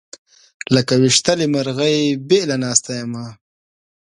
لکه ويشتلې مرغۍ بېله ناسته یمه